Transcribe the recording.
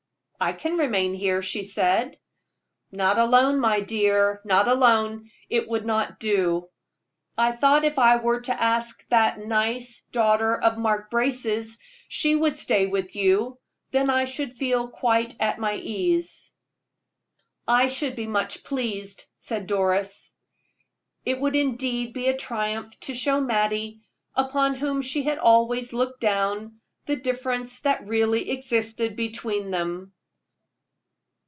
"I can remain here," she said. "Not alone, my dear, not alone it would not do. I thought if I were to ask that nice daughter of Mark Brace's she would stay with you; then I should feel quite at my ease." "I should be much pleased," said Doris. It would indeed be a triumph to show Mattie, upon whom she had always looked down, the difference that really existed between them.